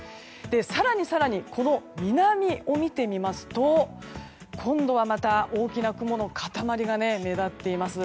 更に更に、この南を見てみますと今度はまた大きな雲の塊が目立っています。